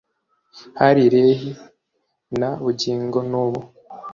Hari Lehi na bugingo n‘ubu